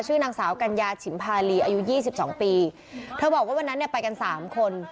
ชื่อนางสาวกัญญาฉิมพาลีอายุ๒๒ปีเธอบอกว่าวันนั้นไปกัน๓คน